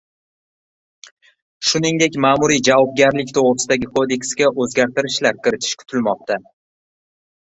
Shuningdek, Ma’muriy javobgarlik to‘g‘risidagi kodeksga o‘zgartishlar kiritish kutilmoqda